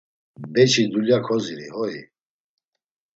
Beçi dulya koziri hoi?